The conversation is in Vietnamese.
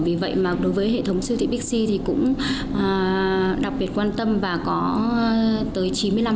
vì vậy mà đối với hệ thống siêu thị bixi thì cũng đặc biệt quan tâm và có tới chín mươi năm